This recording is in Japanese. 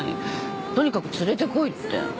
とにかく連れてこいって。